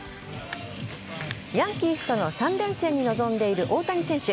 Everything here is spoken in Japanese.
ヤンキースとの三連戦に臨んでいる大谷選手。